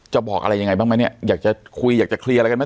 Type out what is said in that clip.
บอกอะไรยังไงบ้างไหมเนี่ยอยากจะคุยอยากจะเคลียร์อะไรกันไหม